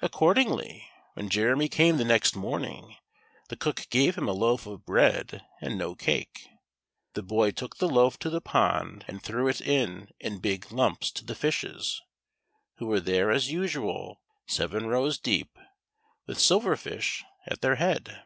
Accordingly, when Jeremy came the next morning the cook gave him a loaf of bread and no cake. The boy took the loaf to the pond and threw it in big lumps to the fishes, who were there as usual, seven rows deep, with Silver Fish at their head.